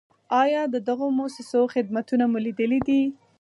آیا د دغو مؤسسو خدمتونه مو لیدلي دي؟